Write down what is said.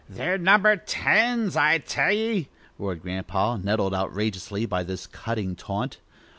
"They're number tens, I tell ye!" roared Grandpa nettled outrageously by this cutting taunt.